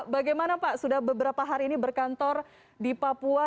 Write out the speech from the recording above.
bagaimana pak sudah beberapa hari ini berkantor di papua